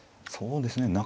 そうですね。